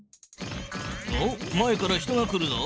おっ前から人が来るぞ。